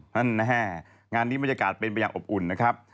นั่นแห้งงานนี้มันจะการเป็นไปอย่างอบอุ่นนะครับ